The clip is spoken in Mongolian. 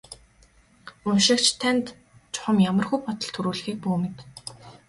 Уншигч танд чухам ямархуу бодол төрүүлэхийг бүү мэд.